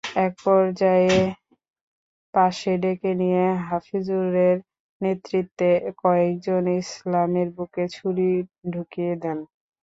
একপর্যায়ে পাশে ডেকে নিয়ে হাফিজুরের নেতৃত্বে কয়েকজন ইসলামের বুকে ছুরি ঢুকিয়ে দেন।